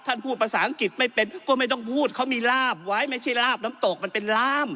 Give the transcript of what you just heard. พูดภาษาอังกฤษไม่เป็นก็ไม่ต้องพูดเขามีลาบไว้ไม่ใช่ลาบน้ำตกมันเป็นล่าม